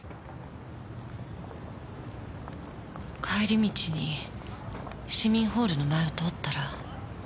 帰り道に市民ホールの前を通ったら。